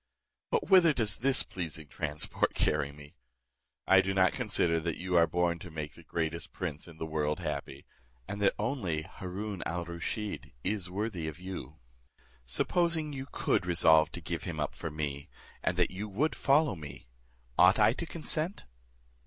But whither does this pleasing transport carry me? I do not consider that you are born to make the greatest prince in the world happy; and that only Haroon al Rusheed is worthy of you. Supposing you could resolve to give him up for me, and that you would follow me, ought I to consent?